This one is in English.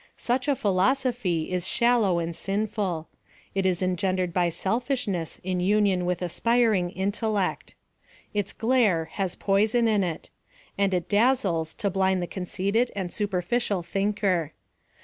Such a philosophy is shallow and sinful; it is engendered by selfishness in union with aspiring intellect. Its glare has poison in it ; and it dazzles to blind the conceited and superficial thinker.